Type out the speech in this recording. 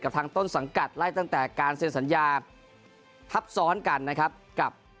ทางต้นสังกัดไล่ตั้งแต่การเซ็นสัญญาทับซ้อนกันนะครับกับ